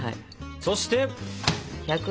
そして？